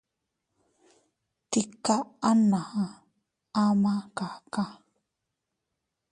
Tika aʼa naa ama kaka.